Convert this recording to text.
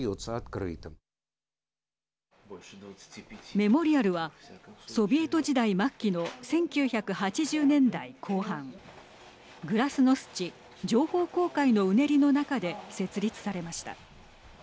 メモリアルはソビエト時代末期の１９８０年代後半グラスノスチ＝情報公開のうねりの中で設立されました。